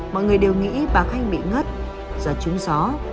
mọi người đều nghĩ bà khanh bị ngất do trúng gió